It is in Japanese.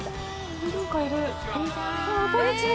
こんにちは。